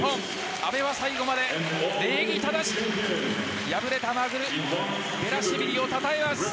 阿部は最後まで礼儀正しく敗れたマルクベラシュビリをたたえます。